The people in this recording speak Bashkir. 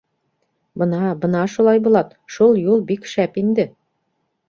— Бына, бына шул, Айбулат, шул юл бик шәп инде.